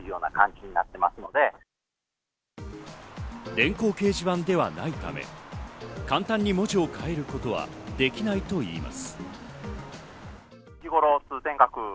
電光掲示板ではないため、簡単に文字を変えることはできないと言います。